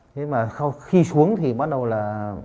nhưng mà khi xuống thì bắt đầu là